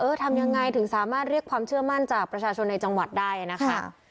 ทำยังไงถึงสามารถเรียกความเชื่อมั่นจากประชาชนในจังหวัดได้นะคะ